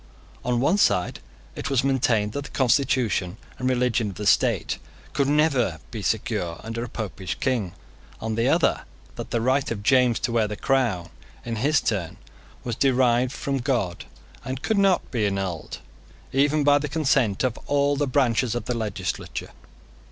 On one side it was maintained that the constitution and religion of the state could never be secure under a Popish King; on the other, that the right of James to wear the crown in his turn was derived from God, and could not be annulled, even by the consent of all the branches of the legislature.